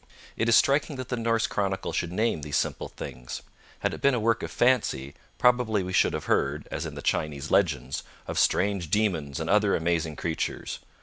It is striking that the Norse chronicle should name these simple things. Had it been a work of fancy, probably we should have heard, as in the Chinese legends, of strange demons and other amazing creatures.